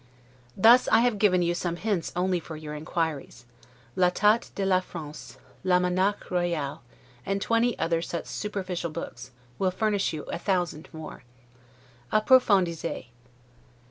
Thus I have given you some hints only for your inquiries; 'l'Etat de la France, l'Almanach Royal', and twenty other such superficial books, will furnish you with a thousand more. 'Approfondissez.